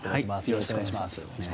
よろしくお願いします。